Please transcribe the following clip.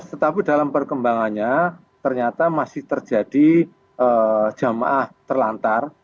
ya tetapi dalam perkembangannya ternyata masih terjadi jemaah terlantar